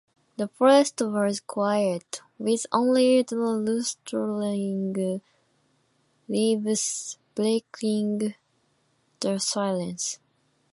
The forest was quiet, with only the rustling leaves breaking the silence.